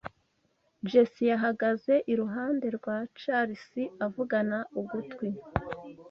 Jessie yahagaze iruhande rwa Charles avugana ugutwi.